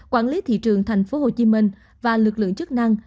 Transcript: quản lý thị trường thành phố hồ chí minh và lực lượng chức năng